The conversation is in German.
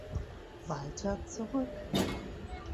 Walther zurück.